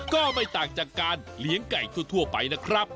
ก็ไม่ต่างจากการเลี้ยงไก่ทั่วไปนะครับ